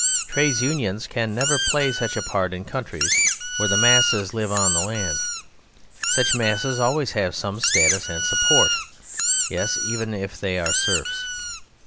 Trades Unions can never play such a part in countries where the masses live on the land; such masses always have some status and support yes, even if they are serfs.